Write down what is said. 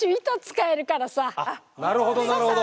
なるほどなるほど。